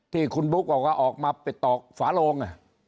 ที่คุณบุ๊กบอกว่าออกมาปิดตอกฝาโลง